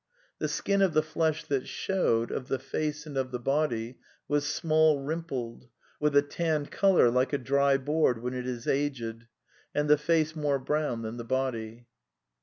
The skin of the flesh that shewed (of the face and of the body), was small rimpled ; with a tanned colour, like a dry board when it is aged; and the face more brown than the body."